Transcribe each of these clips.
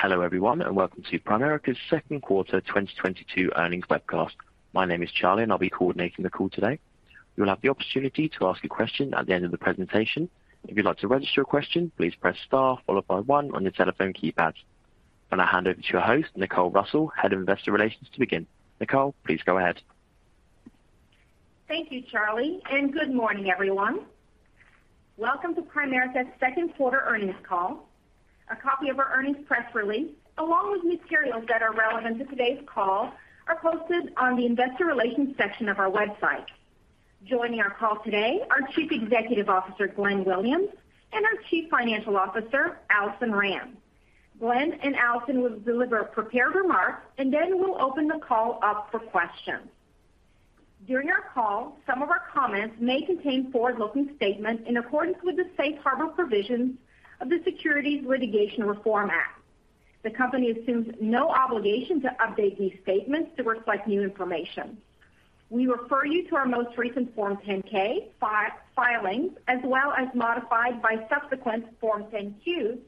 Hello everyone, and welcome to Primerica's second quarter 2022 earnings webcast. My name is Charlie, and I'll be coordinating the call today. You'll have the opportunity to ask a question at the end of the presentation. If you'd like to register a question, please press star followed by one on your telephone keypad. I'm gonna hand over to your host, Nicole Russell, Head of Investor Relations, to begin. Nicole, please go ahead. Thank you, Charlie, and good morning, everyone. Welcome to Primerica's second quarter earnings call. A copy of our earnings press release, along with materials that are relevant to today's call, are posted on the investor relations section of our website. Joining our call today are Chief Executive Officer Glenn Williams and our Chief Financial Officer Alison Rand. Glenn and Alison will deliver prepared remarks, and then we'll open the call up for questions. During our call, some of our comments may contain forward-looking statements in accordance with the safe harbor provisions of the Private Securities Litigation Reform Act. The company assumes no obligation to update these statements to reflect new information. We refer you to our most recent Form 10-K filing, as well as subsequent Form 10-Q filing,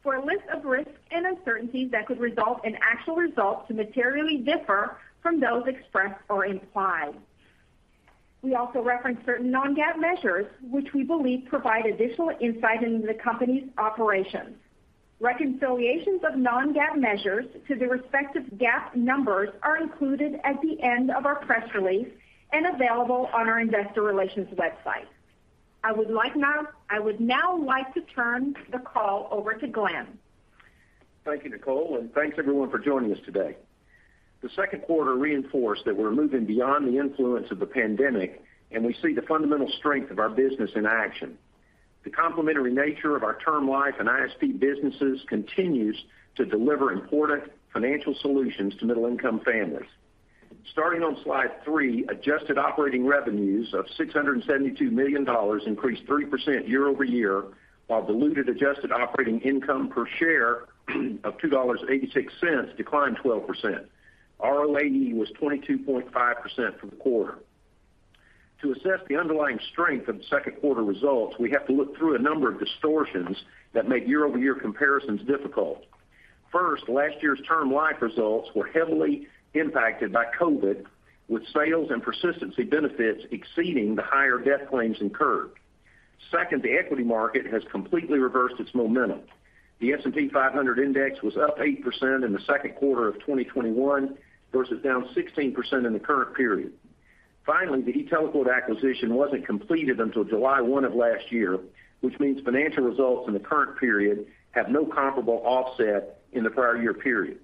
for a list of risks and uncertainties that could cause actual results to differ materially from those expressed or implied. We also reference certain non-GAAP measures, which we believe provide additional insight into the company's operations. Reconciliations of non-GAAP measures to the respective GAAP numbers are included at the end of our press release and available on our investor relations website. I would now like to turn the call over to Glenn. Thank you, Nicole, and thanks everyone for joining us today. The second quarter reinforced that we're moving beyond the influence of the pandemic, and we see the fundamental strength of our business in action. The complementary nature of our Term Life and ISP businesses continues to deliver important financial solutions to middle-income families. Starting on slide 3, adjusted operating revenues of $672 million increased 3% year-over-year, while diluted adjusted operating income per share of $2.86 declined 12%. ROAE was 22.5% for the quarter. To assess the underlying strength of the second quarter results, we have to look through a number of distortions that make year-over-year comparisons difficult. First, last year's Term Life results were heavily impacted by COVID, with sales and persistency benefits exceeding the higher death claims incurred. Second, the equity market has completely reversed its momentum. The S&P 500 index was up 8% in the second quarter of 2021 versus down 16% in the current period. Finally, the e-TeleQuote acquisition wasn't completed until July 1 of last year, which means financial results in the current period have no comparable offset in the prior year period.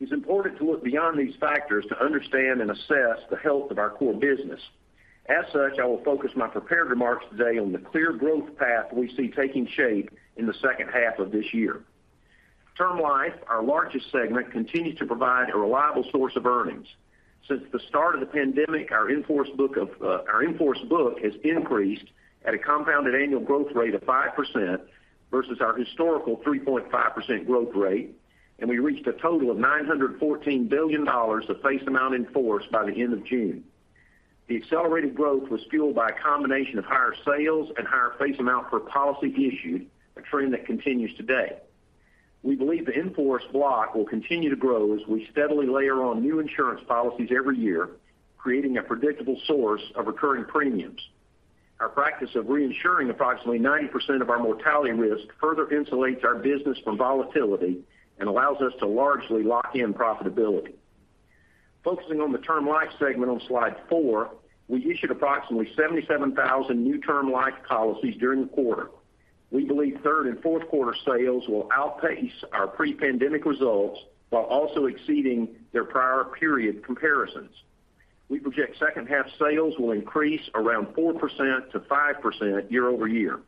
It's important to look beyond these factors to understand and assess the health of our core business. As such, I will focus my prepared remarks today on the clear growth path we see taking shape in the second half of this year. Term Life, our largest segment, continues to provide a reliable source of earnings. Since the start of the pandemic, our in-force book has increased at a compounded annual growth rate of 5% versus our historical 3.5% growth rate, and we reached a total of $914 billion of face amount in force by the end of June. The accelerated growth was fueled by a combination of higher sales and higher face amount per policy issued, a trend that continues today. We believe the in-force block will continue to grow as we steadily layer on new insurance policies every year, creating a predictable source of recurring premiums. Our practice of reinsuring approximately 90% of our mortality risk further insulates our business from volatility and allows us to largely lock in profitability. Focusing on the Term Life segment on slide four, we issued approximately 77,000 new Term Life policies during the quarter. We believe third and fourth quarter sales will outpace our pre-pandemic results while also exceeding their prior period comparisons. We project second half sales will increase around 4%-5% year-over-year.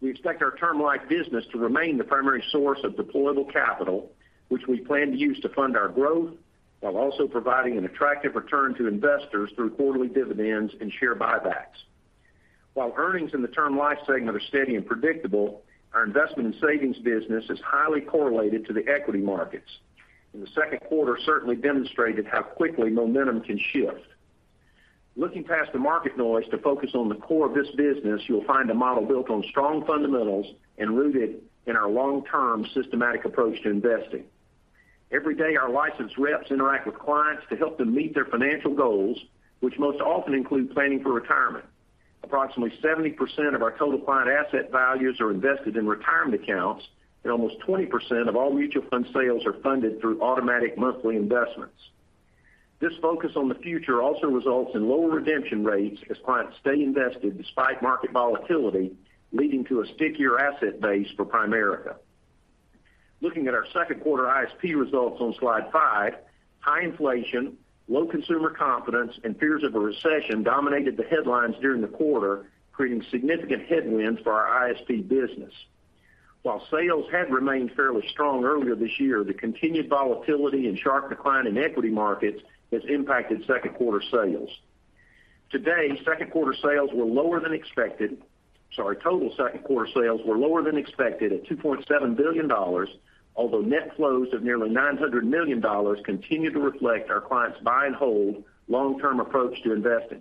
We expect our Term Life business to remain the primary source of deployable capital, which we plan to use to fund our growth while also providing an attractive return to investors through quarterly dividends and share buybacks. While earnings in the Term Life segment are steady and predictable, our investment in savings business is highly correlated to the equity markets, and the second quarter certainly demonstrated how quickly momentum can shift. Looking past the market noise to focus on the core of this business, you'll find a model built on strong fundamentals and rooted in our long-term systematic approach to investing. Every day, our licensed reps interact with clients to help them meet their financial goals, which most often include planning for retirement. Approximately 70% of our total client asset values are invested in retirement accounts, and almost 20% of all mutual fund sales are funded through automatic monthly investments. This focus on the future also results in lower redemption rates as clients stay invested despite market volatility, leading to a stickier asset base for Primerica. Looking at our second quarter ISP results on slide 5, high inflation, low consumer confidence, and fears of a recession dominated the headlines during the quarter, creating significant headwinds for our ISP business. While sales had remained fairly strong earlier this year, the continued volatility and sharp decline in equity markets has impacted second quarter sales. Today, second quarter sales were lower than expected. Sorry. Total second quarter sales were lower than expected at $2.7 billion, although net flows of nearly $900 million continue to reflect our clients' buy and hold long-term approach to investing.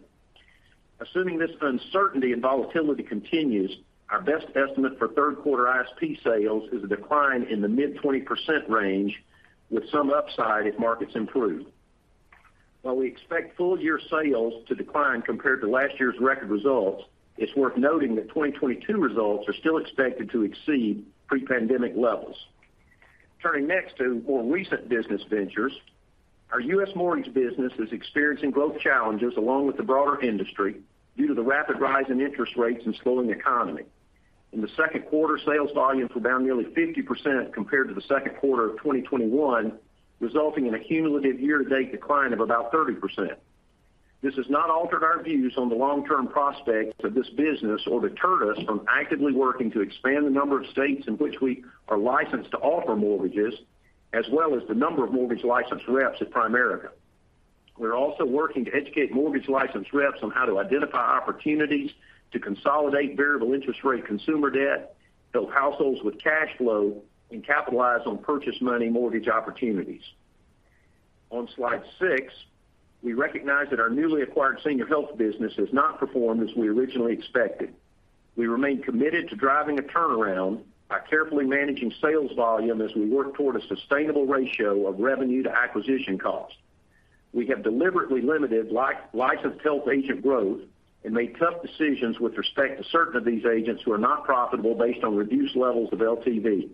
Assuming this uncertainty and volatility continues, our best estimate for third quarter ISP sales is a decline in the mid-20% range with some upside if markets improve. While we expect full year sales to decline compared to last year's record results, it's worth noting that 2022 results are still expected to exceed pre-pandemic levels. Turning next to more recent business ventures, our U.S. Mortgage business is experiencing growth challenges along with the broader industry due to the rapid rise in interest rates and slowing economy. In the second quarter, sales volumes were down nearly 50% compared to the second quarter of 2021, resulting in a cumulative year-to-date decline of about 30%. This has not altered our views on the long-term prospects of this business or deterred us from actively working to expand the number of states in which we are licensed to offer mortgages, as well as the number of mortgage license reps at Primerica. We're also working to educate mortgage license reps on how to identify opportunities to consolidate variable interest rate consumer debt, build households with cash flow, and capitalize on purchase money mortgage opportunities. On slide six, we recognize that our newly acquired Senior Health business has not performed as we originally expected. We remain committed to driving a turnaround by carefully managing sales volume as we work toward a sustainable ratio of revenue to acquisition costs. We have deliberately limited licensed health agent growth and made tough decisions with respect to certain of these agents who are not profitable based on reduced levels of LTV.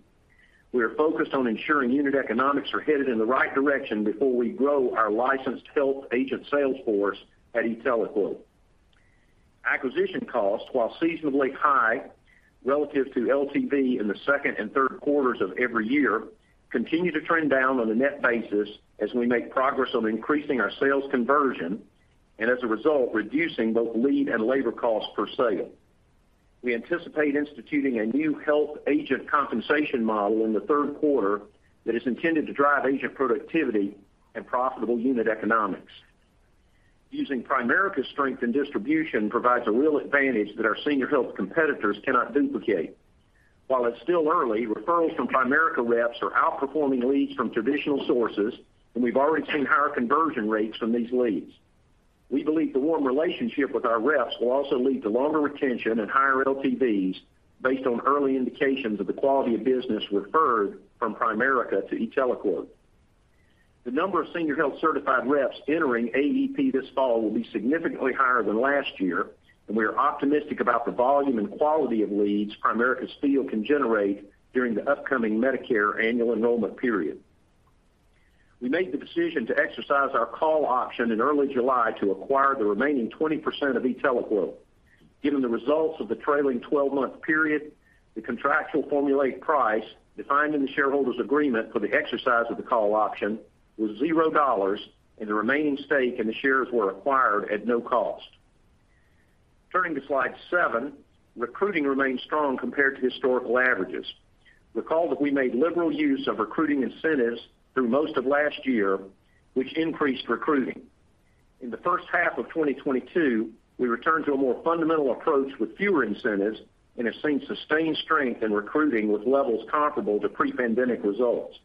We are focused on ensuring unit economics are headed in the right direction before we grow our licensed health agent sales force at e-TeleQuote. Acquisition costs, while seasonally high relative to LTV in the second and third quarters of every year, continue to trend down on a net basis as we make progress on increasing our sales conversion and as a result, reducing both lead and labor costs per sale. We anticipate instituting a new health agent compensation model in the third quarter that is intended to drive agent productivity and profitable unit economics. Using Primerica's strength in distribution provides a real advantage that our Senior Health competitors cannot duplicate. While it's still early, referrals from Primerica reps are outperforming leads from traditional sources, and we've already seen higher conversion rates from these leads. We believe the warm relationship with our reps will also lead to longer retention and higher LTVs based on early indications of the quality of business referred from Primerica to e-TeleQuote. The number of Senior Health certified reps entering AEP this fall will be significantly higher than last year, and we are optimistic about the volume and quality of leads Primerica's field can generate during the upcoming Medicare annual enrollment period. We made the decision to exercise our call option in early July to acquire the remaining 20% of e-TeleQuote. Given the results of the trailing twelve-month period, the contractual formula price defined in the shareholders' agreement for the exercise of the call option was zero dollars, and the remaining stake in the shares were acquired at no cost. Turning to slide 7, recruiting remains strong compared to historical averages. Recall that we made liberal use of recruiting incentives through most of last year, which increased recruiting. In the first half of 2022, we returned to a more fundamental approach with fewer incentives and have seen sustained strength in recruiting with levels comparable to pre-pandemic results.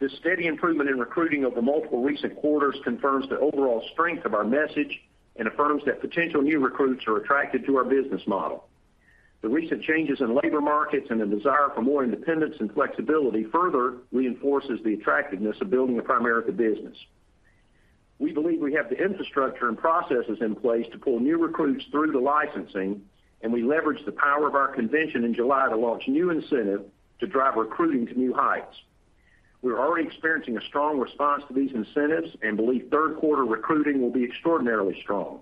This steady improvement in recruiting over multiple recent quarters confirms the overall strength of our message and affirms that potential new recruits are attracted to our business model. The recent changes in labor markets and the desire for more independence and flexibility further reinforces the attractiveness of building a Primerica business. We believe we have the infrastructure and processes in place to pull new recruits through to licensing, and we leveraged the power of our convention in July to launch new incentive to drive recruiting to new heights. We are already experiencing a strong response to these incentives and believe third quarter recruiting will be extraordinarily strong.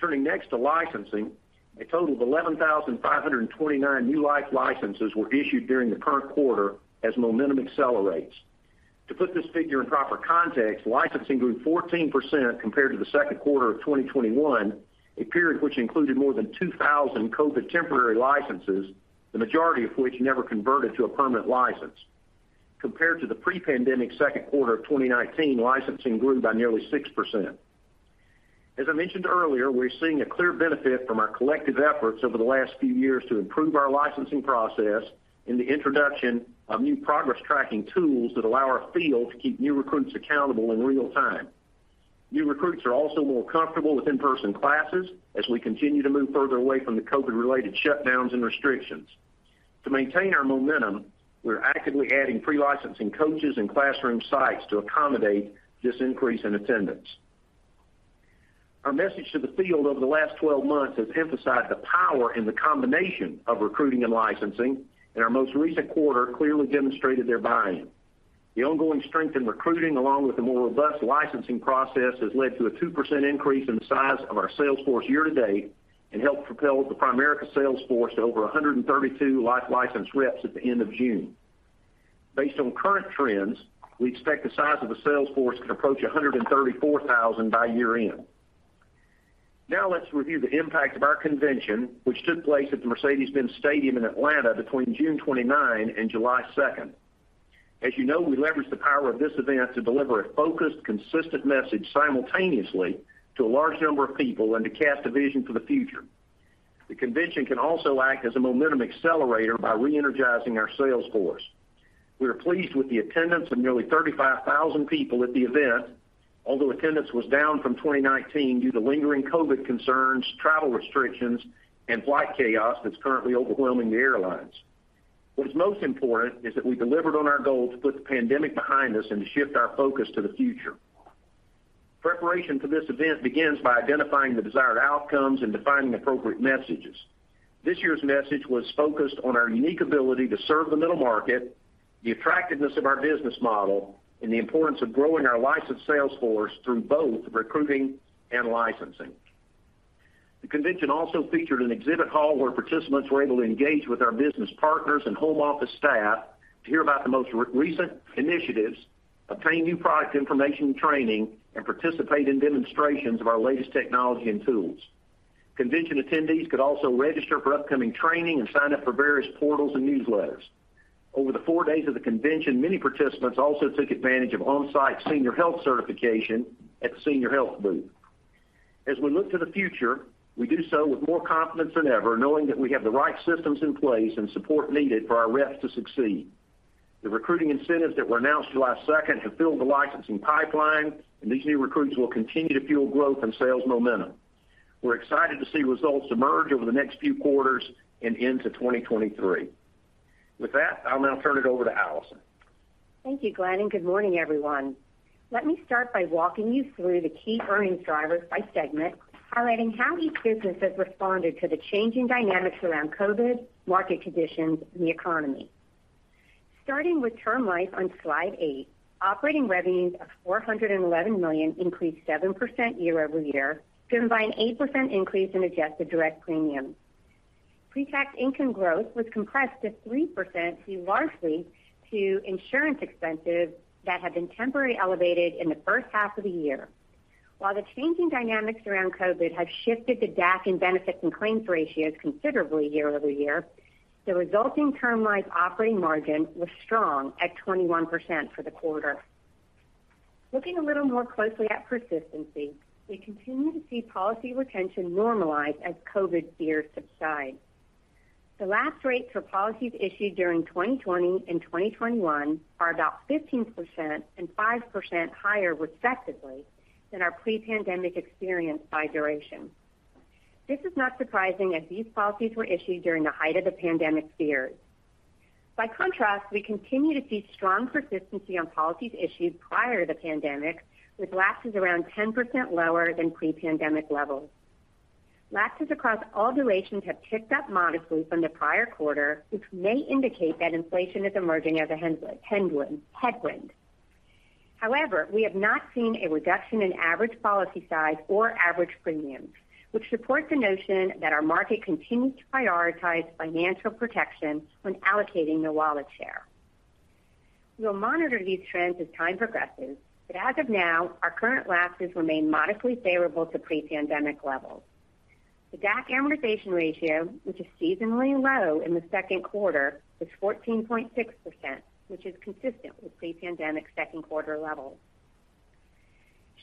Turning next to licensing, a total of 11,529 new life licenses were issued during the current quarter as momentum accelerates. To put this figure in proper context, licensing grew 14% compared to the second quarter of 2021, a period which included more than 2,000 COVID temporary licenses, the majority of which never converted to a permanent license. Compared to the pre-pandemic second quarter of 2019, licensing grew by nearly 6%. As I mentioned earlier, we're seeing a clear benefit from our collective efforts over the last few years to improve our licensing process in the introduction of new progress tracking tools that allow our field to keep new recruits accountable in real time. New recruits are also more comfortable with in-person classes as we continue to move further away from the COVID-related shutdowns and restrictions. To maintain our momentum, we're actively adding pre-licensing coaches and classroom sites to accommodate this increase in attendance. Our message to the field over the last 12 months has emphasized the power in the combination of recruiting and licensing, and our most recent quarter clearly demonstrated their buy-in. The ongoing strength in recruiting, along with a more robust licensing process, has led to a 2% increase in the size of our sales force year to date and helped propel the Primerica sales force to over 132 life license reps at the end of June. Based on current trends, we expect the size of the sales force to approach 134,000 by year-end. Now let's review the impact of our convention, which took place at the Mercedes-Benz Stadium in Atlanta between June 29 and July 2nd. As you know, we leveraged the power of this event to deliver a focused, consistent message simultaneously to a large number of people and to cast a vision for the future. The convention can also act as a momentum accelerator by re-energizing our sales force. We are pleased with the attendance of nearly 35,000 people at the event, although attendance was down from 2019 due to lingering COVID concerns, travel restrictions, and flight chaos that's currently overwhelming the airlines. What is most important is that we delivered on our goal to put the pandemic behind us and to shift our focus to the future. Preparation for this event begins by identifying the desired outcomes and defining the appropriate messages. This year's message was focused on our unique ability to serve the middle market, the attractiveness of our business model, and the importance of growing our licensed sales force through both recruiting and licensing. The convention also featured an exhibit hall where participants were able to engage with our business partners and home office staff to hear about the most recent initiatives, obtain new product information and training, and participate in demonstrations of our latest technology and tools. Convention attendees could also register for upcoming training and sign up for various portals and newsletters. Over the four days of the convention, many participants also took advantage of on-site Senior Health certification at the Senior Health booth. As we look to the future, we do so with more confidence than ever, knowing that we have the right systems in place and support needed for our reps to succeed. The recruiting incentives that were announced July 2nd have filled the licensing pipeline, and these new recruits will continue to fuel growth and sales momentum. We're excited to see results emerge over the next few quarters and into 2023. With that, I'll now turn it over to Alison. Thank you, Glenn, and good morning, everyone. Let me start by walking you through the key earnings drivers by segment, highlighting how each business has responded to the changing dynamics around COVID, market conditions, and the economy. Starting with term life on slide 8, operating revenues of $411 million increased 7% year-over-year, driven by an 8% increase in adjusted direct premium. Pre-tax income growth was compressed to 3% due largely to insurance expenses that had been temporarily elevated in the first half of the year. While the changing dynamics around COVID have shifted the DAC and benefit and claims ratios considerably year-over-year, the resulting term life operating margin was strong at 21% for the quarter. Looking a little more closely at persistency, we continue to see policy retention normalize as COVID fears subside. The lapse rates for policies issued during 2020 and 2021 are about 15% and 5% higher, respectively, than our pre-pandemic experience by duration. This is not surprising as these policies were issued during the height of the pandemic fears. By contrast, we continue to see strong persistency on policies issued prior to the pandemic, with lapses around 10% lower than pre-pandemic levels. Lapses across all durations have ticked up modestly from the prior quarter, which may indicate that inflation is emerging as a headwind. However, we have not seen a reduction in average policy size or average premiums, which supports the notion that our market continues to prioritize financial protection when allocating their wallet share. We will monitor these trends as time progresses, but as of now, our current lapses remain modestly favorable to pre-pandemic levels. The DAC amortization ratio, which is seasonally low in the second quarter, was 14.6%, which is consistent with pre-pandemic second quarter levels.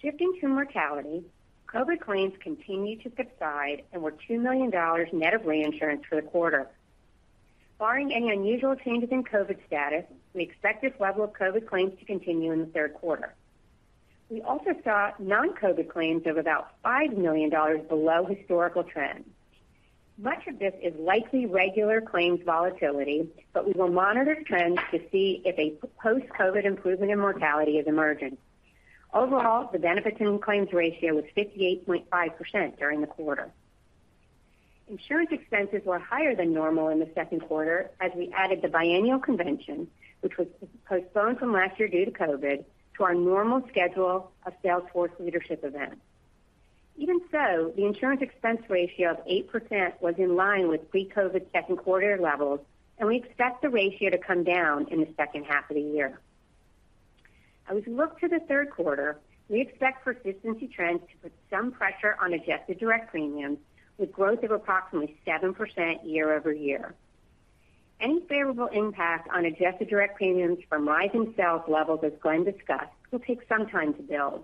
Shifting to mortality, COVID claims continue to subside and were $2 million net of reinsurance for the quarter. Barring any unusual changes in COVID status, we expect this level of COVID claims to continue in the third quarter. We also saw non-COVID claims of about $5 million below historical trends. Much of this is likely regular claims volatility, but we will monitor trends to see if a post-COVID improvement in mortality is emerging. Overall, the benefit and claims ratio was 58.5% during the quarter. Insurance expenses were higher than normal in the second quarter as we added the biannual convention, which was postponed from last year due to COVID, to our normal schedule of sales force leadership events. Even so, the insurance expense ratio of 8% was in line with pre-COVID second quarter levels, and we expect the ratio to come down in the second half of the year. As we look to the third quarter, we expect persistency trends to put some pressure on adjusted direct premiums, with growth of approximately 7% year-over-year. Any favorable impact on adjusted direct premiums from rising sales levels, as Glenn discussed, will take some time to build.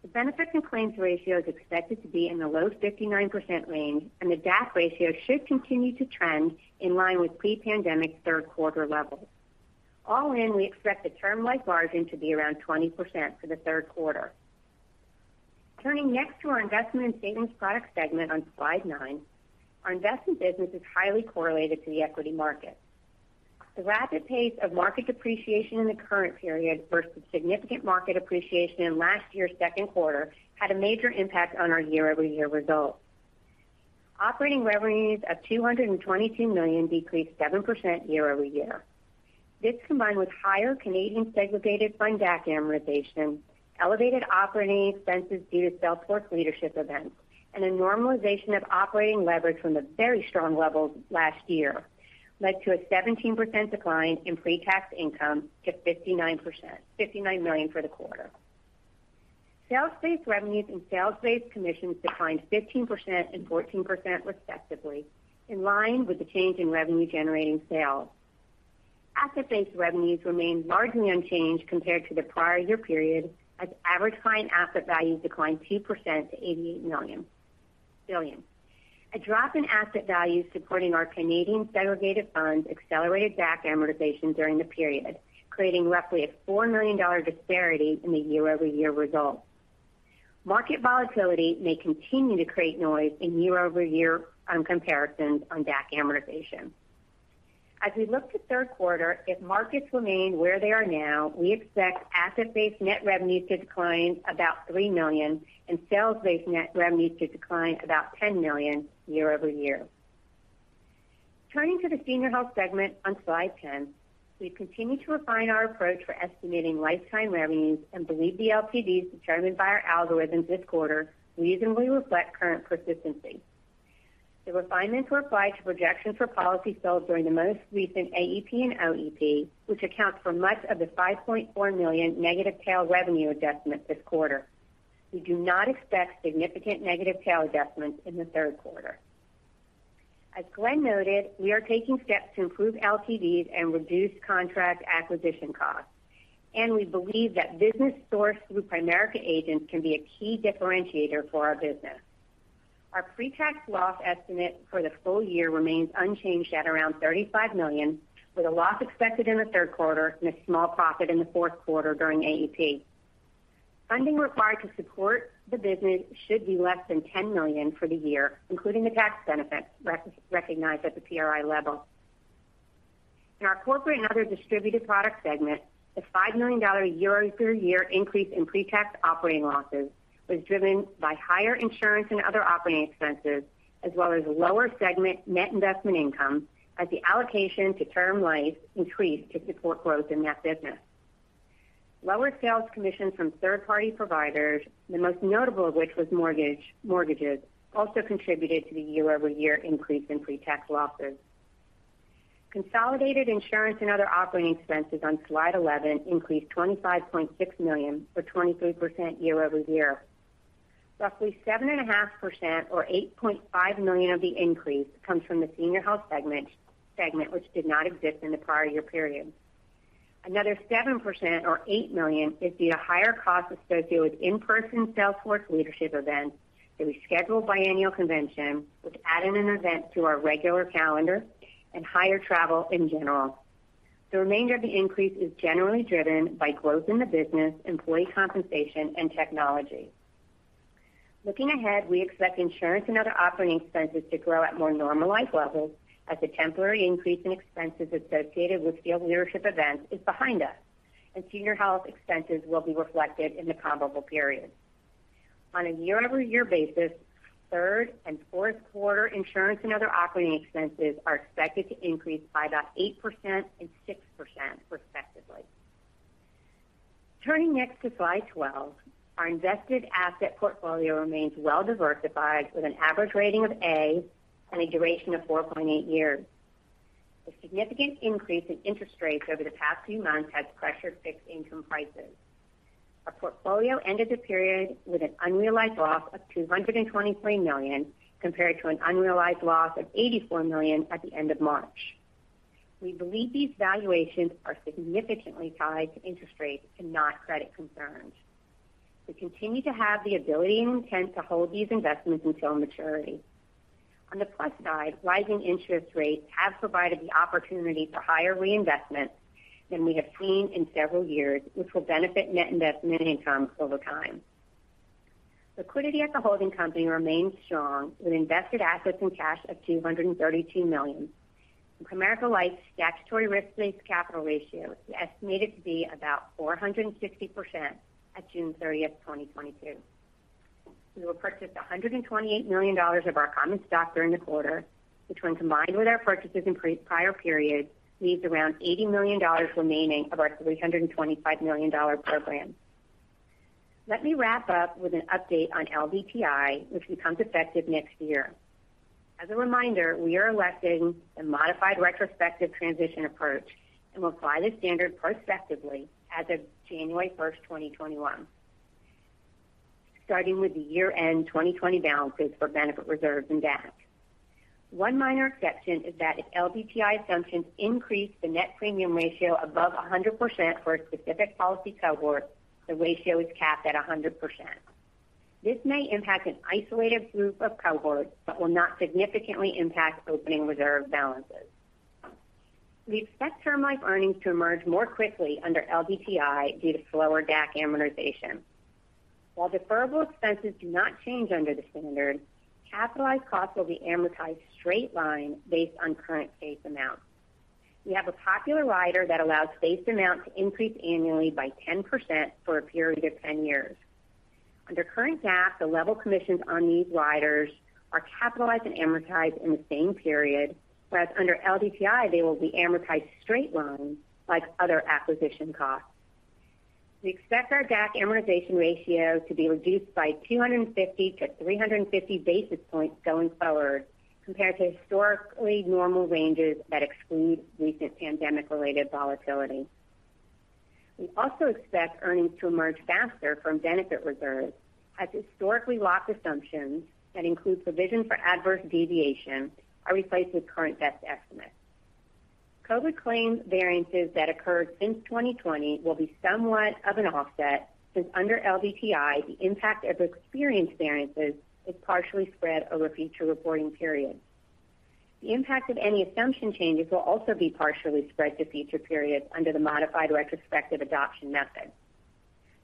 The benefits and claims ratio is expected to be in the low 59% range, and the DAC ratio should continue to trend in line with pre-pandemic third quarter levels. All in, we expect the Term Life margin to be around 20% for the third quarter. Turning next to our Investment and Savings Products segment on slide 9, our investment business is highly correlated to the equity market. The rapid pace of market depreciation in the current period versus significant market appreciation in last year's second quarter had a major impact on our year-over-year results. Operating revenues of $222 million decreased 7% year-over-year. This, combined with higher Canadian segregated fund DAC amortization, elevated operating expenses due to sales force leadership events, and a normalization of operating leverage from the very strong levels last year, led to a 17% decline in pre-tax income to $59 million for the quarter. Sales-based revenues and sales-based commissions declined 15% and 14% respectively, in line with the change in revenue-generating sales. Asset-based revenues remained largely unchanged compared to the prior year period as average client asset value declined 2% to $88 billion. A drop in asset value supporting our Canadian segregated funds accelerated DAC amortization during the period, creating roughly a $4 million disparity in the year-over-year result. Market volatility may continue to create noise in year-over-year comparisons on DAC amortization. As we look to third quarter, if markets remain where they are now, we expect asset-based net revenues to decline about $3 million and sales-based net revenues to decline about $10 million year-over-year. Turning to the Senior Health segment on slide 10, we continue to refine our approach for estimating lifetime revenues and believe the LTVs determined by our algorithms this quarter reasonably reflect current persistency. The refinements were applied to projections for policy sales during the most recent AEP and OEP, which account for much of the $5.4 million negative tail revenue adjustment this quarter. We do not expect significant negative tail adjustments in the third quarter. As Glenn noted, we are taking steps to improve LTVs and reduce contract acquisition costs, and we believe that business sourced through Primerica agents can be a key differentiator for our business. Our pre-tax loss estimate for the full year remains unchanged at around $35 million, with a loss expected in the third quarter and a small profit in the fourth quarter during AEP. Funding required to support the business should be less than $10 million for the year, including the tax benefit recognized at the PRI level. In our Corporate and Other Distributed Products segment, the $5 million year-over-year increase in pre-tax operating losses was driven by higher insurance and other operating expenses as well as lower segment net investment income as the allocation to term life increased to support growth in that business. Lower sales commissions from third-party providers, the most notable of which was mortgage, also contributed to the year-over-year increase in pre-tax losses. Consolidated insurance and other operating expenses on slide 11 increased $25.6 million or 23% year-over-year. Roughly 7.5% or $8.5 million of the increase comes from the Senior Health segment which did not exist in the prior year period. Another 7% or $8 million is due to higher costs associated with in-person sales force leadership events and rescheduled biannual convention, which added an event to our regular calendar and higher travel in general. The remainder of the increase is generally driven by growth in the business, employee compensation and technology. Looking ahead, we expect insurance and other operating expenses to grow at more normalized levels as the temporary increase in expenses associated with field leadership events is behind us and Senior Health expenses will be reflected in the comparable period. On a year-over-year basis, third and fourth quarter insurance and other operating expenses are expected to increase by about 8% and 6% respectively. Turning next to slide 12. Our invested asset portfolio remains well diversified with an average rating of A and a duration of 4.8 years. The significant increase in interest rates over the past few months has pressured fixed income prices. Our portfolio ended the period with an unrealized loss of $223 million compared to an unrealized loss of $84 million at the end of March. We believe these valuations are significantly tied to interest rates and not credit concerns. We continue to have the ability and intent to hold these investments until maturity. On the plus side, rising interest rates have provided the opportunity for higher reinvestment than we have seen in several years, which will benefit net investment income over time. Liquidity at the holding company remains strong, with invested assets and cash of $232 million. Primerica Life's statutory risk-based capital ratio is estimated to be about 460% at June 30th, 2022. We repurchased $128 million of our common stock during the quarter, which when combined with our purchases in prior periods, leaves around $80 million remaining of our $325 million program. Let me wrap up with an update on LDTI, which becomes effective next year. As a reminder, we are electing the modified retrospective transition approach and will apply the standard prospectively as of January 1st, 2021, starting with the year-end 2020 balances for benefit reserves and DAC. One minor exception is that if LDTI assumptions increase the net premium ratio above 100% for a specific policy cohort, the ratio is capped at 100%. This may impact an isolated group of cohorts, but will not significantly impact opening reserve balances. We expect term life earnings to emerge more quickly under LDTI due to slower DAC amortization. While deferrable expenses do not change under the standard, capitalized costs will be amortized straight line based on current face amount. We have a popular rider that allows face amount to increase annually by 10% for a period of 10 years. Under current DAC, the level commissions on these riders are capitalized and amortized in the same period, whereas under LDTI, they will be amortized straight line like other acquisition costs. We expect our DAC amortization ratio to be reduced by 250-350 basis points going forward compared to historically normal ranges that exclude recent pandemic-related volatility. We also expect earnings to emerge faster from benefit reserves as historically locked assumptions that include provision for adverse deviation are replaced with current best estimates. COVID claims variances that occurred since 2020 will be somewhat of an offset, since under LDTI, the impact of experience variances is partially spread over future reporting periods. The impact of any assumption changes will also be partially spread to future periods under the modified retrospective adoption method.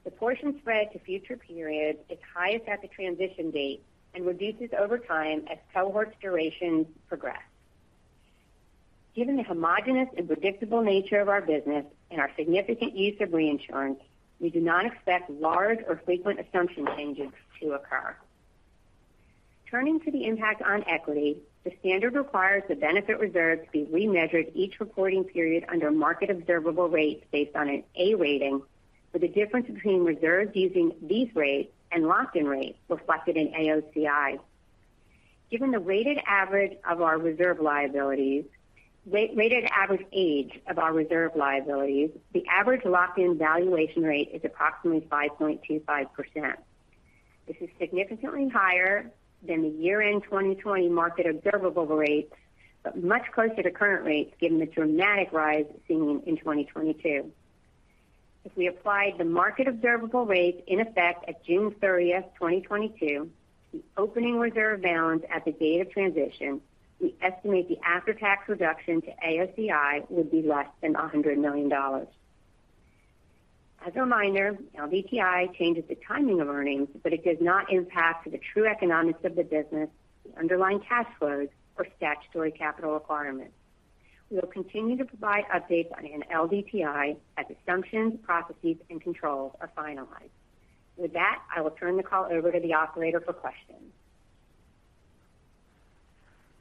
The portion spread to future periods is highest at the transition date and reduces over time as cohorts durations progress. Given the homogeneous and predictable nature of our business and our significant use of reinsurance, we do not expect large or frequent assumption changes to occur. Turning to the impact on equity, the standard requires the benefit reserve to be remeasured each reporting period under market observable rates based on an A rating, with the difference between reserves using these rates and locked-in rates reflected in AOCI. Given the weighted average age of our reserve liabilities, the average locked-in valuation rate is approximately 5.25%. This is significantly higher than the year-end 2020 market observable rates, but much closer to current rates given the dramatic rise seen in 2022. If we applied the market observable rates in effect at June 30th, 2022, the opening reserve balance at the date of transition, we estimate the after-tax reduction to AOCI would be less than $100 million. As a reminder, LDTI changes the timing of earnings, but it does not impact the true economics of the business, the underlying cash flows or statutory capital requirements. We will continue to provide updates on an LDTI as assumptions, processes, and controls are finalized. With that, I will turn the call over to the operator for questions.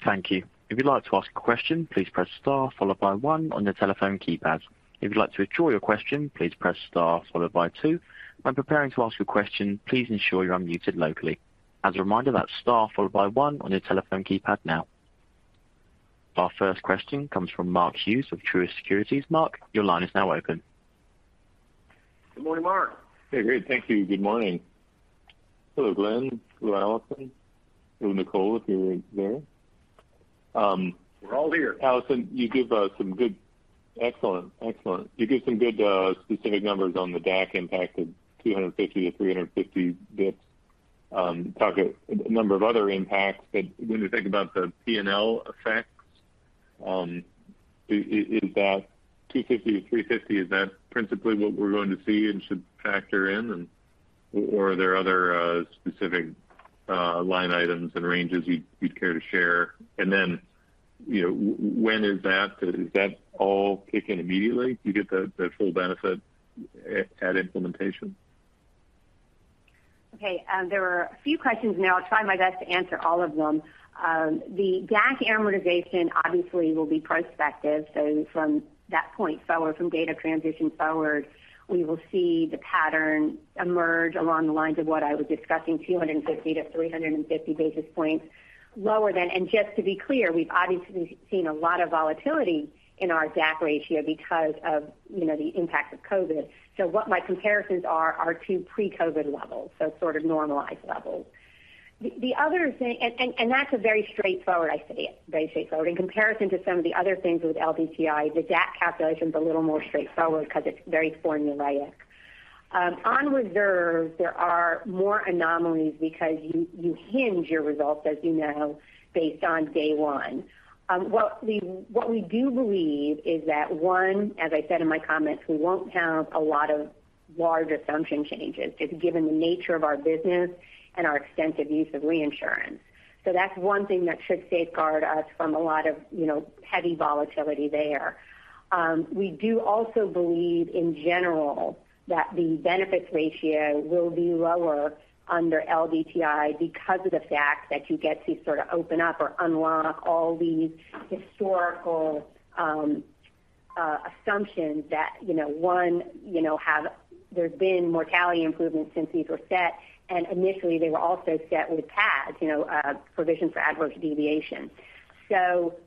Thank you. If you'd like to ask a question, please press star followed by one on your telephone keypad. If you'd like to withdraw your question, please press star followed by two. When preparing to ask your question, please ensure you're unmuted locally. As a reminder, that's star followed by one on your telephone keypad now. Our first question comes from Mark Hughes of Truist Securities. Mark, your line is now open. Good morning, Mark. Hey, great. Thank you. Good morning. Hello, Glenn. Hello, Alison. Hello, Nicole. If you're there. We're all here. Alison, you give some good specific numbers on the DAC impact of 250-350 basis points. Talk about a number of other impacts. When you think about the P&L effects, is that 250-350, is that principally what we're going to see and should factor in and or are there other specific line items and ranges you'd care to share? And then, you know, when is that? Does that all kick in immediately? Do you get the full benefit at implementation? Okay. There are a few questions now. I'll try my best to answer all of them. The DAC amortization obviously will be prospective. From that point forward, from date of transition forward, we will see the pattern emerge along the lines of what I was discussing, 250-350 basis points lower than. Just to be clear, we've obviously seen a lot of volatility in our DAC ratio because of, you know, the impact of COVID. What my comparisons are to pre-COVID levels, so sort of normalized levels. The other thing, and that's very straightforward, I say, in comparison to some of the other things with LDTI. The DAC calculation is a little more straightforward because it's very formulaic. On reserve, there are more anomalies because you hinge your results, as you know, based on day one. What we do believe is that, one, as I said in my comments, we won't have a lot of large assumption changes just given the nature of our business and our extensive use of reinsurance. That's one thing that should safeguard us from a lot of, you know, heavy volatility there. We do also believe in general that the benefits ratio will be lower under LDTI because of the fact that you get to sort of open up or unlock all these historical assumptions that, you know, have there been mortality improvements since these were set and initially they were also set with PADs, you know, provision for adverse deviation.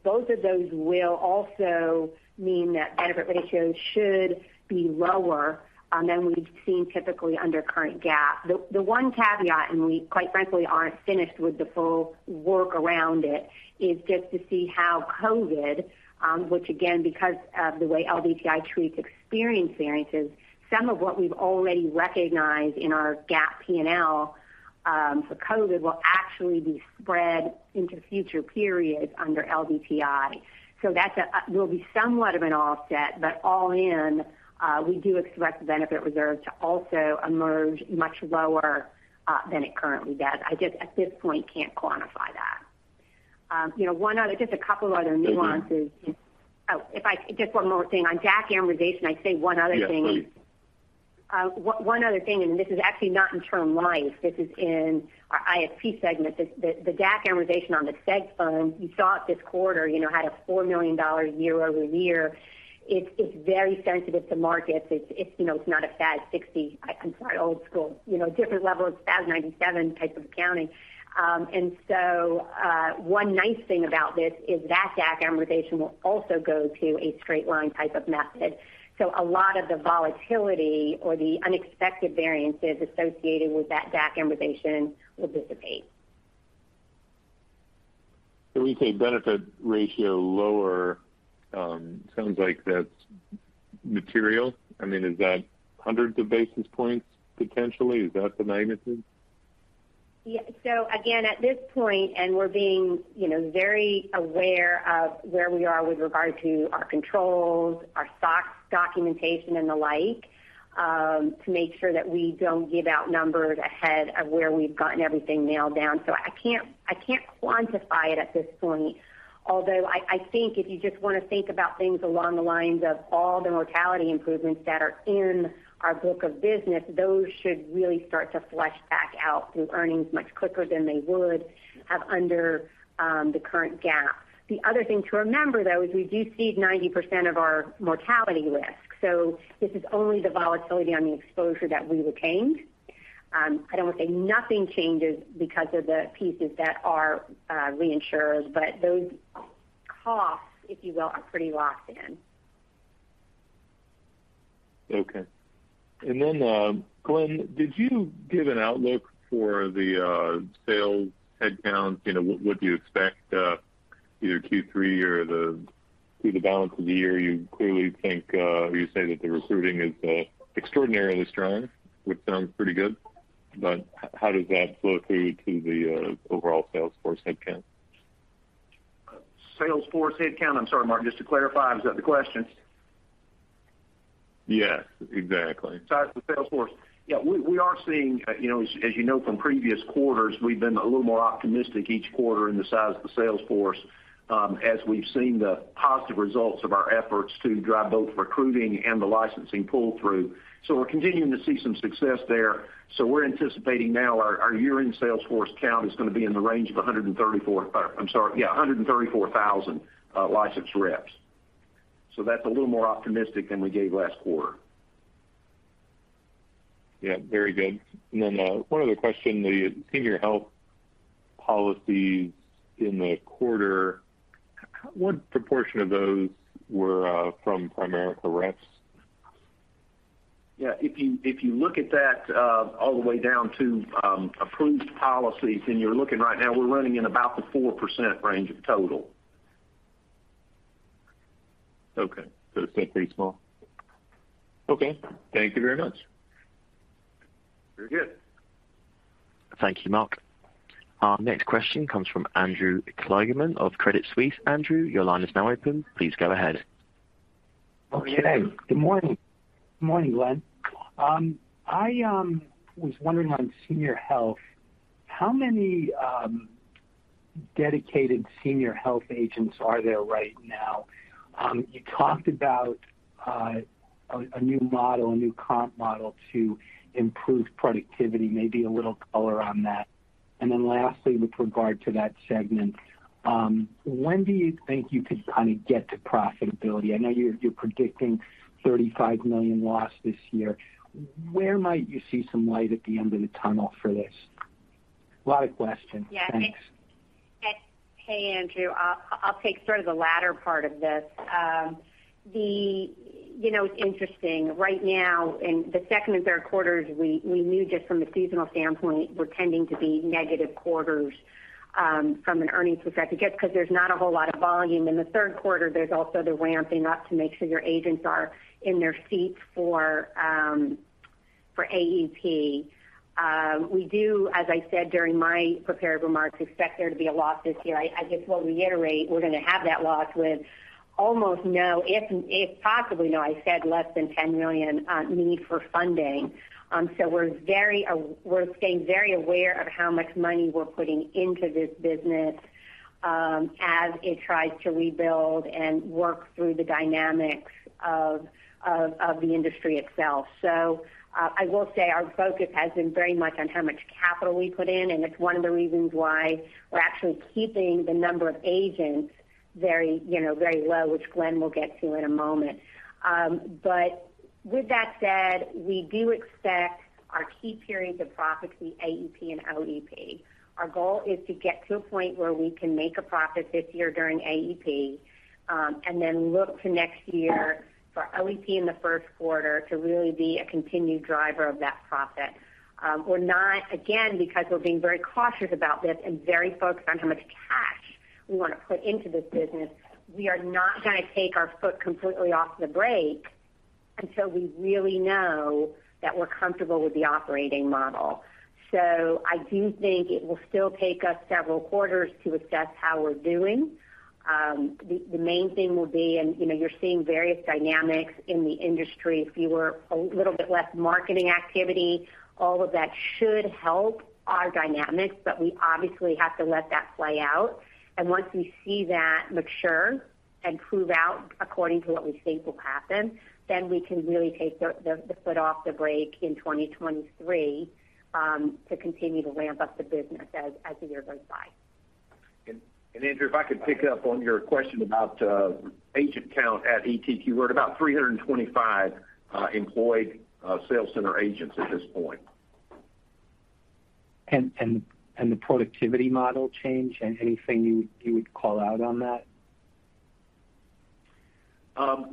Both of those will also mean that benefit ratios should be lower than we've seen typically under current GAAP. The one caveat, and we quite frankly aren't finished with the full work around it, is just to see how COVID, which again because of the way LDTI treats experience variances, some of what we've already recognized in our GAAP P&L for COVID, will actually be spread into future periods under LDTI. That will be somewhat of an offset, but all in, we do expect the benefit reserve to also emerge much lower than it currently does. I just at this point can't quantify that. You know, a couple of other nuances. Thank you. Just one more thing. On DAC amortization, I'd say one other thing. Yes, please. One other thing, and this is actually not in term life. This is in our ISP segment. The DAC amortization on the segregated fund you saw this quarter, you know, had a $4 million year-over-year. It's very sensitive to markets. It's, you know, not a FAS 60. I'm sorry, old school, you know, different level of FAS 97 type of accounting. One nice thing about this is that DAC amortization will also go to a straight line type of method. A lot of the volatility or the unexpected variances associated with that DAC amortization will dissipate. When we say benefit ratio lower, sounds like that's material. I mean, is that hundreds of basis points potentially? Is that the magnitude? Yeah. Again, at this point, and we're being, you know, very aware of where we are with regard to our controls, our SOX documentation and the like, to make sure that we don't give out numbers ahead of where we've gotten everything nailed down. I can't quantify it at this point. Although I think if you just want to think about things along the lines of all the mortality improvements that are in our book of business, those should really start to flesh back out through earnings much quicker than they would have under the current GAAP. The other thing to remember, though, is we do cede 90% of our mortality risk. This is only the volatility on the exposure that we retained. I don't want to say nothing changes because of the pieces that are reinsured, but those costs, if you will, are pretty locked in. Okay. Glenn, did you give an outlook for the sales headcount? You know, what do you expect, either Q3 or through the balance of the year? You clearly think you say that the recruiting is extraordinarily strong, which sounds pretty good. How does that flow through to the overall sales force headcount? Sales force headcount? I'm sorry, Mark, just to clarify, is that the question? Yes, exactly. Size of the salesforce. Yeah, we are seeing, you know, as you know from previous quarters, we've been a little more optimistic each quarter in the size of the salesforce, as we've seen the positive results of our efforts to drive both recruiting and the licensing pull-through. We're continuing to see some success there. We're anticipating now our year-end salesforce count is going to be in the range of 134,000 licensed reps. That's a little more optimistic than we gave last quarter. Yeah, very good. One other question, the Senior Health policies in the quarter, what proportion of those were from Primerica reps? Yeah. If you look at that, all the way down to approved policies, and you're looking right now, we're running in about the 4% range of total. Okay. It's still pretty small. Okay. Thank you very much. Very good. Thank you, Mark. Our next question comes from Andrew Kligerman of Credit Suisse. Andrew, your line is now open. Please go ahead. Okay. Good morning. Good morning, Glenn. I was wondering on Senior Health, how many dedicated Senior Health agents are there right now? You talked about a new model, a new comp model to improve productivity, maybe a little color on that. Lastly, with regard to that segment, when do you think you could kind of get to profitability? I know you're predicting $35 million loss this year. Where might you see some light at the end of the tunnel for this? A lot of questions. Thanks. Yeah. Hey, Andrew. I'll take sort of the latter part of this. You know, it's interesting right now in the second and third quarters, we knew just from a seasonal standpoint, we're tending to be negative quarters from an earnings perspective, just because there's not a whole lot of volume. In the third quarter, there's also the ramping up to make sure your agents are in their seats for AEP. We do, as I said during my prepared remarks, expect there to be a loss this year. I guess we'll reiterate, we're going to have that loss with almost no, if possibly no, I said less than $10 million need for funding. We're staying very aware of how much money we're putting into this business, as it tries to rebuild and work through the dynamics of the industry itself. I will say our focus has been very much on how much capital we put in, and it's one of the reasons why we're actually keeping the number of agents very, you know, very low, which Glenn will get to in a moment. But with that said, we do expect our key periods of profit to be AEP and OEP. Our goal is to get to a point where we can make a profit this year during AEP, and then look to next year for OEP in the first quarter to really be a continued driver of that profit. We're not, again, because we're being very cautious about this and very focused on how much cash we want to put into this business, we are not going to take our foot completely off the brake until we really know that we're comfortable with the operating model. I do think it will still take us several quarters to assess how we're doing. The main thing will be, you know, you're seeing various dynamics in the industry, fewer, a little bit less marketing activity. All of that should help our dynamics, but we obviously have to let that play out. Once we see that mature and prove out according to what we think will happen, then we can really take the foot off the brake in 2023 to continue to ramp up the business as the year goes by. Andrew, if I could pick up on your question about agent count at ETQ. We're at about 325 employed sales center agents at this point. The productivity model change? Anything you would call out on that?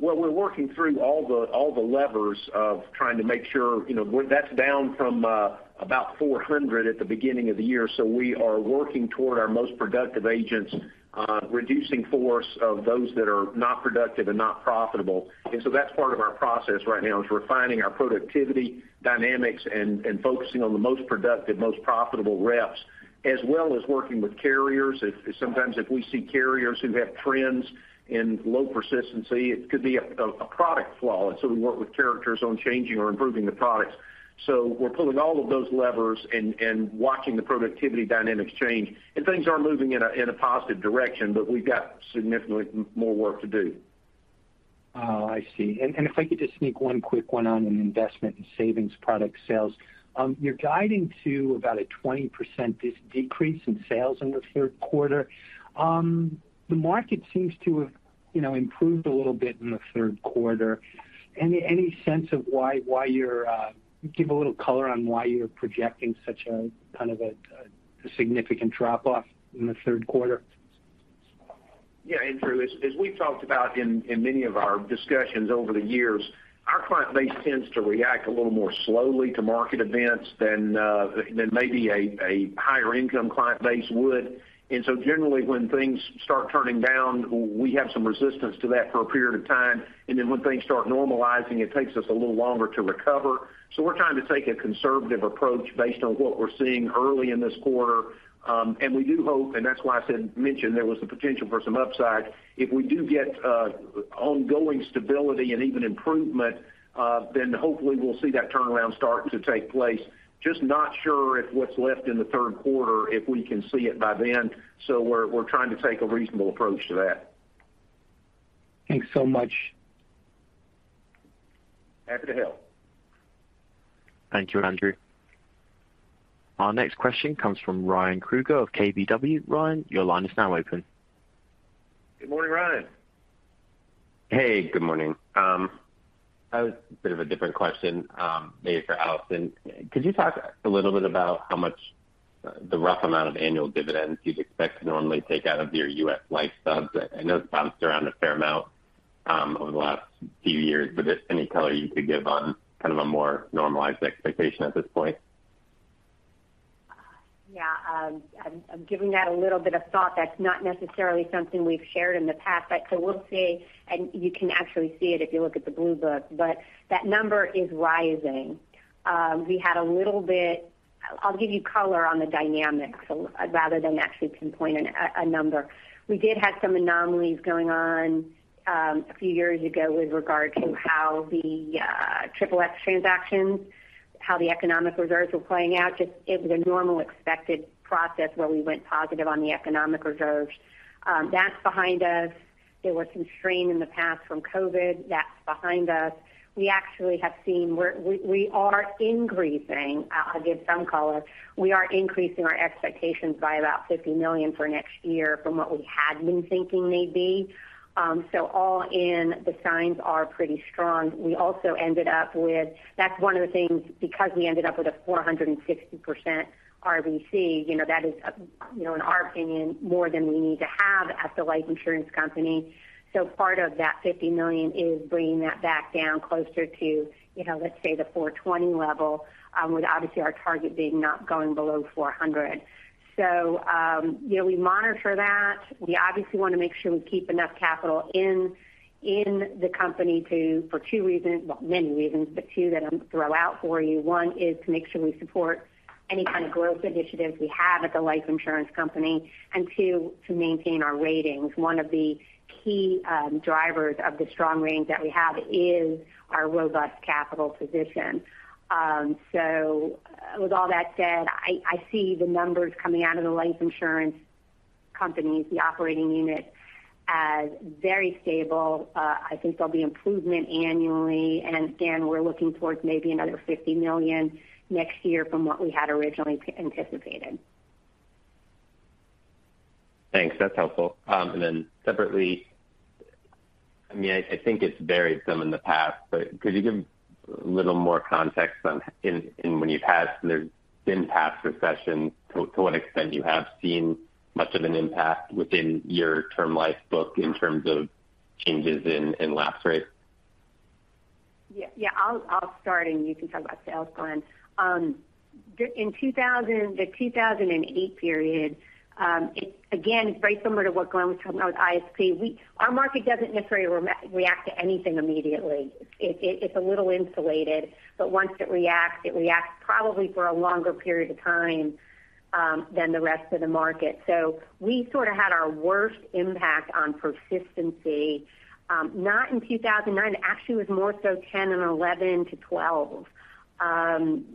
We're working through all the levers of trying to make sure, you know, that's down from about 400 at the beginning of the year. We are working toward our most productive agents, reducing force of those that are not productive and not profitable. That's part of our process right now, is refining our productivity dynamics and focusing on the most productive, most profitable reps, as well as working with carriers. Sometimes if we see carriers who have trends in low persistency, it could be a product flaw. We work with carriers on changing or improving the products. We're pulling all of those levers and watching the productivity dynamics change, and things are moving in a positive direction, but we've got significantly more work to do. Oh, I see. If I could just sneak one quick one in on Investment and Savings Products sales. You're guiding to about a 20% decrease in sales in the third quarter. The market seems to have, you know, improved a little bit in the third quarter. Any sense of why you're giving a little color on why you're projecting such a kind of a significant drop off in the third quarter? Yeah, Andrew, as we've talked about in many of our discussions over the years, our client base tends to react a little more slowly to market events than maybe a higher income client base would. Generally, when things start turning down, we have some resistance to that for a period of time. When things start normalizing, it takes us a little longer to recover. We're trying to take a conservative approach based on what we're seeing early in this quarter. We do hope, and that's why I mentioned there was the potential for some upside. If we do get ongoing stability and even improvement, then hopefully we'll see that turnaround starting to take place. Just not sure if what's left in the third quarter, if we can see it by then. We're trying to take a reasonable approach to that. Thanks so much. Happy to help. Thank you, Andrew. Our next question comes from Ryan Krueger of KBW. Ryan, your line is now open. Good morning, Ryan. Hey, good morning. I have a bit of a different question, maybe for Alison. Could you talk a little bit about how much the rough amount of annual dividends you'd expect to normally take out of your U.S. Life subs? I know it's bounced around a fair amount, over the last few years, but any color you could give on kind of a more normalized expectation at this point? Yeah, I'm giving that a little bit of thought. That's not necessarily something we've shared in the past, but so we'll see. You can actually see it if you look at the Blue Book, but that number is rising. We had a little bit. I'll give you color on the dynamics rather than actually pinpoint a number. We did have some anomalies going on a few years ago with regard to how the Triple-X transactions, how the economic reserves were playing out. Just it was a normal expected process where we went positive on the economic reserves. That's behind us. There was some strain in the past from COVID. That's behind us. We actually have seen we are increasing. I'll give some color. We are increasing our expectations by about $50 million for next year from what we had been thinking, maybe. All in, the signs are pretty strong. That's one of the things, because we ended up with a 460% RBC, you know, that is, you know, in our opinion, more than we need to have at the life insurance company. Part of that $50 million is bringing that back down closer to, you know, let's say the 420 level, with obviously our target being not going below 400. You know, we monitor that. We obviously want to make sure we keep enough capital in the company for two reasons, well, many reasons, but two that I'll throw out for you. One is to make sure we support any kind of growth initiatives we have at the life insurance company, and two, to maintain our ratings. One of the key drivers of the strong ratings that we have is our robust capital position. With all that said, I see the numbers coming out of the life insurance companies, the operating unit, as very stable. I think there'll be improvement annually. Again, we're looking towards maybe another $50 million next year from what we had originally anticipated. Thanks. That's helpful. Separately, I mean, I think it's varied some in the past, but could you give a little more context on in when you've had been past recessions, to what extent you have seen much of an impact within your Term Life book in terms of changes in lapse rates? Yeah, I'll start, and you can talk about sales, Glenn. In the 2008 period, again, it's very similar to what Glenn was talking about with ISP. Our market doesn't necessarily react to anything immediately. It's a little insulated, but once it reacts, it reacts probably for a longer period of time than the rest of the market. We sort of had our worst impact on persistency, not in 2009. Actually, it was more so 2010 and 2011 to 2012.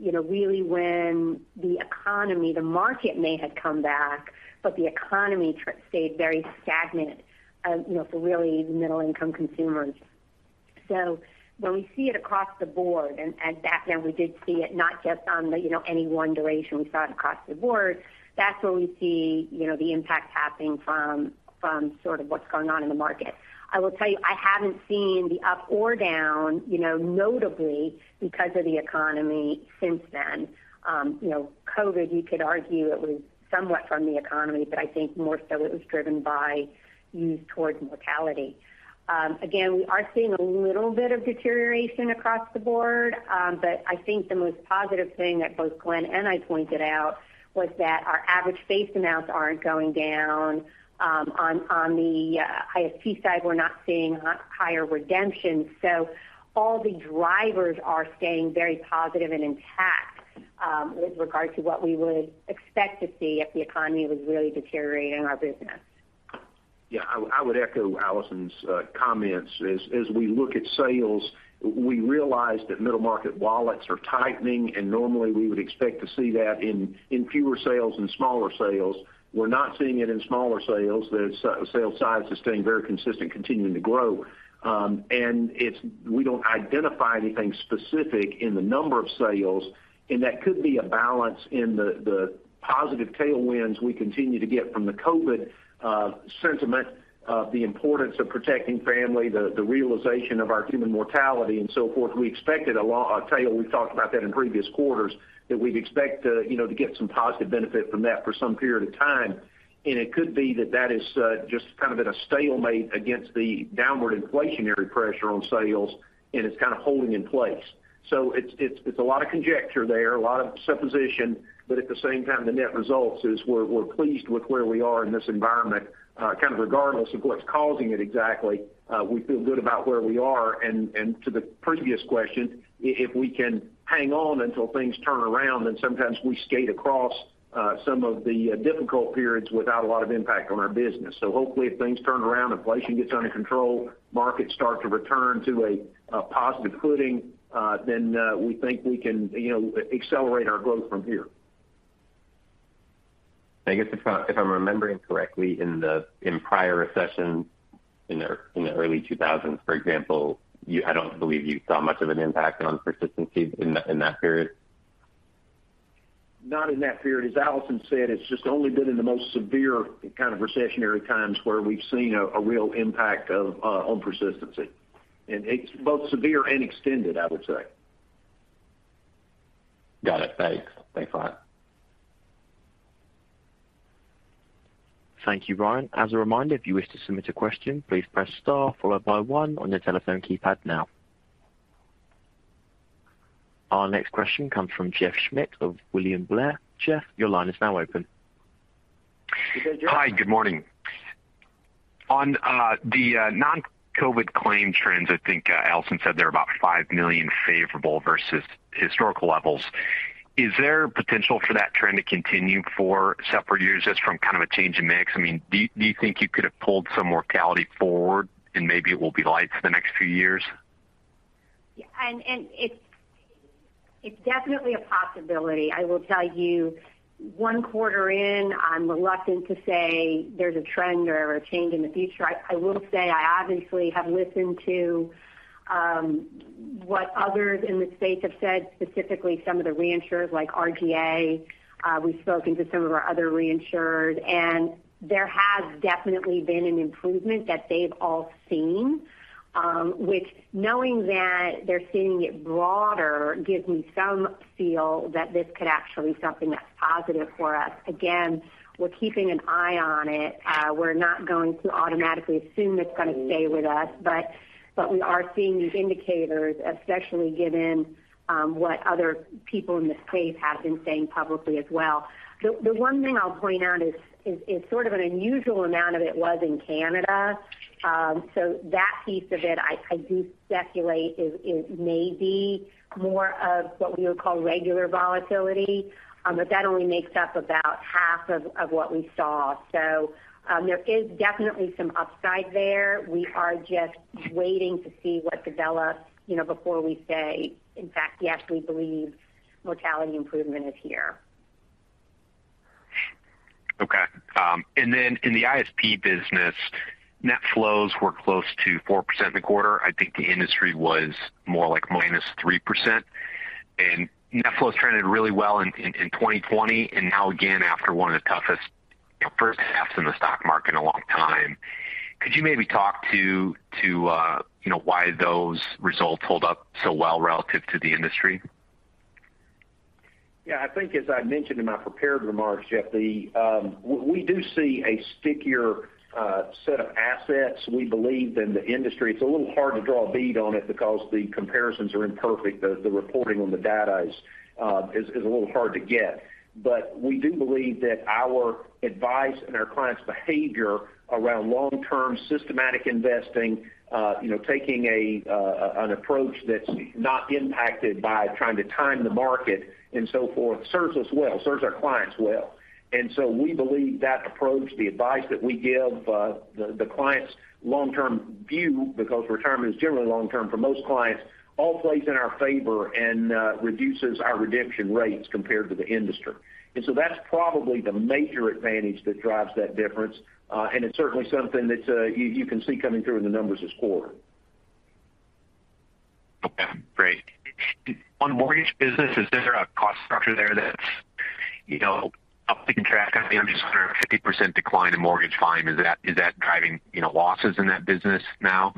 You know, really when the economy, the market may have come back, but the economy stayed very stagnant, you know, for really the middle income consumers. When we see it across the board, and back then we did see it not just on the, you know, any one duration, we saw it across the board. That's where we see, you know, the impact happening from sort of what's going on in the market. I will tell you, I haven't seen the up or down, you know, notably because of the economy since then. You know, COVID, you could argue it was somewhat from the economy, but I think more so it was driven by youth towards mortality. Again, we are seeing a little bit of deterioration across the board, but I think the most positive thing that both Glenn and I pointed out was that our average face amounts aren't going down, on the ISP side, we're not seeing higher redemption. All the drivers are staying very positive and intact, with regard to what we would expect to see if the economy was really deteriorating our business. Yeah, I would echo Alison's comments. As we look at sales, we realize that middle market wallets are tightening, and normally we would expect to see that in fewer sales and smaller sales. We're not seeing it in smaller sales. The sale size is staying very consistent, continuing to grow. And it's we don't identify anything specific in the number of sales, and that could be a balance in the positive tailwinds we continue to get from the COVID sentiment of the importance of protecting family, the realization of our human mortality and so forth. We expected a tail, we talked about that in previous quarters, that we'd expect to, you know, to get some positive benefit from that for some period of time. It could be that that is just kind of at a stalemate against the downward inflationary pressure on sales, and it's kind of holding in place. It's a lot of conjecture there, a lot of supposition, but at the same time, the net results is we're pleased with where we are in this environment, kind of regardless of what's causing it exactly. We feel good about where we are. To the previous question, if we can hang on until things turn around, then sometimes we skate across some of the difficult periods without a lot of impact on our business. Hopefully, if things turn around, inflation gets under control, markets start to return to a positive footing, then we think we can, you know, accelerate our growth from here. I guess if I'm remembering correctly, in prior recessions in the early 2000s, for example, I don't believe you saw much of an impact on persistency in that period. Not in that period. As Alison said, it's just only been in the most severe kind of recessionary times where we've seen a real impact of on persistency. It's both severe and extended, I would say. Got it. Thanks. Thanks a lot. Thank you, Ryan. As a reminder, if you wish to submit a question, please press star followed by one on your telephone keypad now. Our next question comes from Jeff Schmitt of William Blair. Jeff, your line is now open. Hi, good morning. On the non-COVID claim trends, I think Alison said they're about $5 million favorable versus historical levels. Is there potential for that trend to continue for several years just from kind of a change in mix? I mean, do you think you could have pulled some mortality forward, and maybe it will be light for the next few years? Yeah. It's definitely a possibility. I will tell you, one quarter in, I'm reluctant to say there's a trend or a change in the future. I will say I obviously have listened to what others in the space have said, specifically some of the reinsurers like RGA. We've spoken to some of our other reinsurers, and there has definitely been an improvement that they've all seen, which knowing that they're seeing it broader gives me some feel that this could actually be something that's positive for us. Again, we're keeping an eye on it. We're not going to automatically assume it's gonna stay with us, but we are seeing these indicators, especially given what other people in the space have been saying publicly as well. The one thing I'll point out is sort of an unusual amount of it was in Canada. That piece of it I do speculate is maybe more of what we would call regular volatility. That only makes up about half of what we saw. There is definitely some upside there. We are just waiting to see what develops, you know, before we say, in fact, yes, we believe mortality improvement is here. Okay. In the ISP business, net flows were close to 4% in the quarter. I think the industry was more like -3%. Net flows trended really well in 2020, and now again after one of the toughest, you know, first halves in the stock market in a long time. Could you maybe talk to, you know, why those results held up so well relative to the industry? Yeah. I think as I mentioned in my prepared remarks, Jeff, we do see a stickier set of assets, we believe, than the industry. It's a little hard to draw a bead on it because the comparisons are imperfect. The reporting on the data is a little hard to get. But we do believe that our advice and our clients' behavior around long-term systematic investing, you know, taking an approach that's not impacted by trying to time the market and so forth, serves us well, serves our clients well. We believe that approach, the advice that we give, the client's long-term view, because retirement is generally long term for most clients, all plays in our favor and reduces our redemption rates compared to the industry. That's probably the major advantage that drives that difference. It's certainly something that you can see coming through in the numbers this quarter. On mortgage business, is there a cost structure there that's, you know, up the track? I mean, I'm just wondering, a 50% decline in mortgage volume, is that driving, you know, losses in that business now?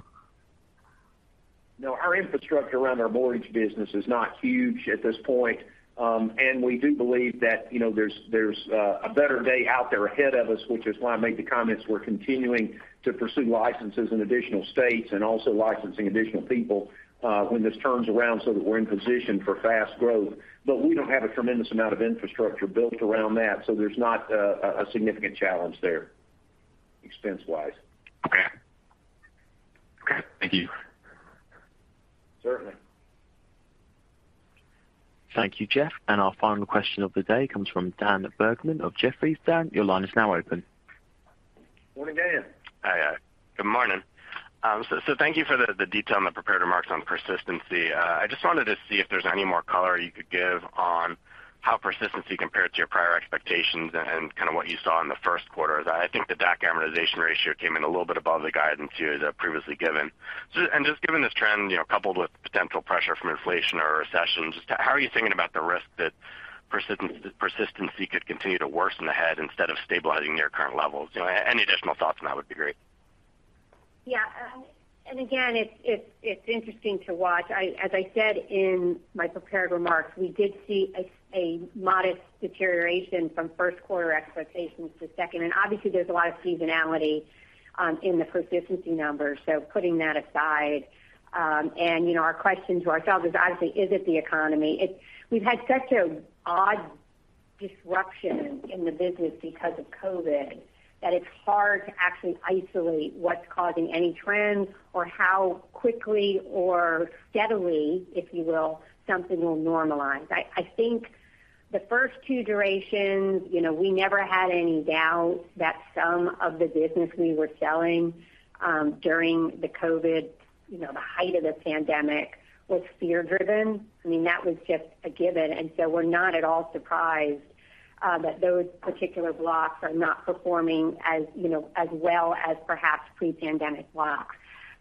No, our infrastructure around our mortgage business is not huge at this point. We do believe that, you know, there's a better day out there ahead of us, which is why I made the comments. We're continuing to pursue licenses in additional states and also licensing additional people when this turns around so that we're in position for fast growth. We don't have a tremendous amount of infrastructure built around that, so there's not a significant challenge there expense-wise. Okay. Okay. Thank you. Certainly. Thank you, Jeff. Our final question of the day comes from Dan Bergman of Jefferies. Dan, your line is now open. Morning, Dan. Hi. Good morning. So thank you for the detail on the prepared remarks on persistency. I just wanted to see if there's any more color you could give on how persistency compared to your prior expectations and kind of what you saw in the first quarter. I think the DAC amortization ratio came in a little bit above the guidance you had previously given. Just given this trend, you know, coupled with potential pressure from inflation or a recession, just how are you thinking about the risk that persistency could continue to worsen ahead instead of stabilizing near current levels? You know, any additional thoughts on that would be great. Yeah. Again, it's interesting to watch. As I said in my prepared remarks, we did see a modest deterioration from first quarter expectations to second. Obviously there's a lot of seasonality in the persistency numbers. Putting that aside, and, you know, our question to ourselves is obviously, is it the economy? We've had such an odd disruption in the business because of COVID, that it's hard to actually isolate what's causing any trends or how quickly or steadily, if you will, something will normalize. I think the first two durations, you know, we never had any doubt that some of the business we were selling during the COVID, you know, the height of the pandemic, was fear-driven. I mean, that was just a given. We're not at all surprised that those particular blocks are not performing as, you know, as well as perhaps pre-pandemic blocks.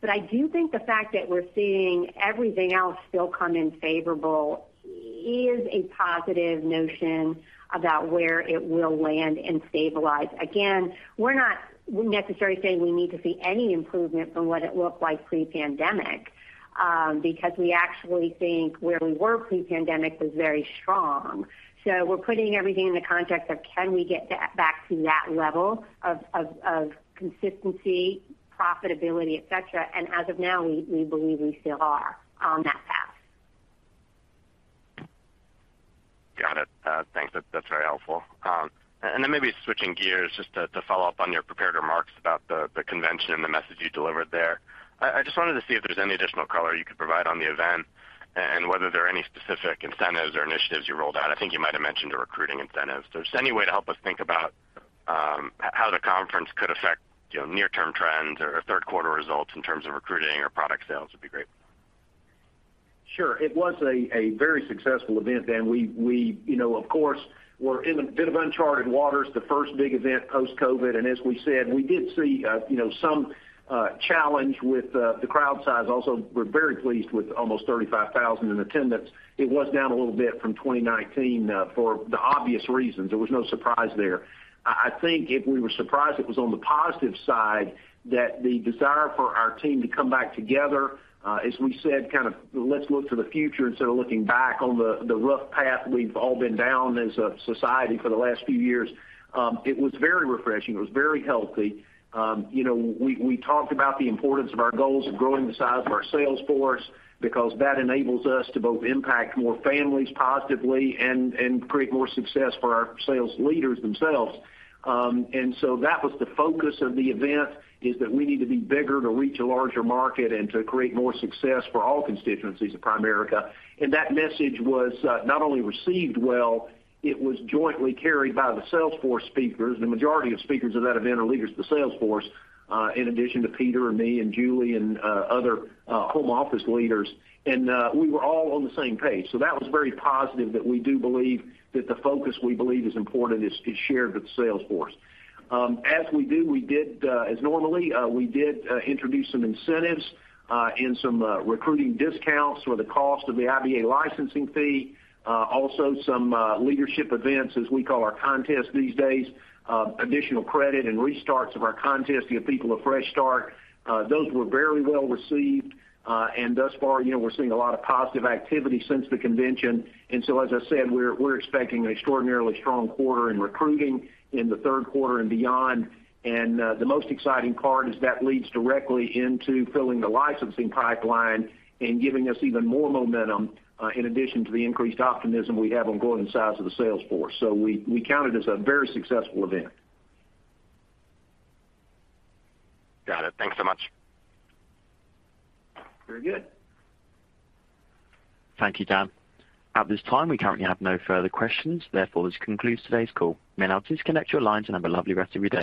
I do think the fact that we're seeing everything else still come in favorable is a positive notion about where it will land and stabilize. We're not necessarily saying we need to see any improvement from what it looked like pre-pandemic, because we actually think where we were pre-pandemic was very strong. We're putting everything in the context of can we get back to that level of consistency, profitability, et cetera. As of now, we believe we still are on that path. Got it. Thanks. That's very helpful. Then maybe switching gears just to follow up on your prepared remarks about the convention and the message you delivered there. I just wanted to see if there's any additional color you could provide on the event and whether there are any specific incentives or initiatives you rolled out. I think you might have mentioned a recruiting incentive. Just any way to help us think about how the conference could affect, you know, near-term trends or third quarter results in terms of recruiting or product sales would be great. Sure. It was a very successful event. We you know, of course, we're in a bit of uncharted waters, the first big event post-COVID. As we said, we did see you know, some challenge with the crowd size. Also, we're very pleased with almost 35,000 in attendance. It was down a little bit from 2019 for the obvious reasons. There was no surprise there. I think if we were surprised, it was on the positive side that the desire for our team to come back together as we said, kind of let's look to the future instead of looking back on the rough path we've all been down as a society for the last few years. It was very refreshing. It was very healthy. You know, we talked about the importance of our goals of growing the size of our sales force because that enables us to both impact more families positively and create more success for our sales leaders themselves. That was the focus of the event, is that we need to be bigger to reach a larger market and to create more success for all constituencies of Primerica. That message was not only received well, it was jointly carried by the sales force speakers. The majority of speakers of that event are leaders of the sales force, in addition to Peter and me, and Julie and other home office leaders. We were all on the same page. That was very positive that we do believe that the focus we believe is important is shared with the sales force. As normally, we did introduce some incentives and some recruiting discounts for the cost of the IBA licensing fee. Also some leadership events, as we call our contests these days, additional credit and restarts of our contests to give people a fresh start. Those were very well received. And thus far, you know, we're seeing a lot of positive activity since the convention. As I said, we're expecting an extraordinarily strong quarter in recruiting in the third quarter and beyond. The most exciting part is that leads directly into filling the licensing pipeline and giving us even more momentum, in addition to the increased optimism we have on growing the size of the sales force. We count it as a very successful event. Got it. Thanks so much. Very good. Thank you, Dan. At this time, we currently have no further questions. Therefore, this concludes today's call. You may now disconnect your lines and have a lovely rest of your day.